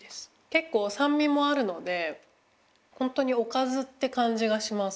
けっこうさんみもあるのでほんとにおかずってかんじがします。